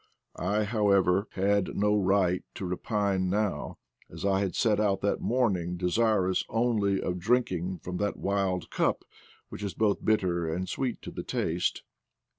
I, however, had no right to repine now, as I had set out that morning desirous only of drink ing from that wild cup, which is both bitter and sweet to the taste.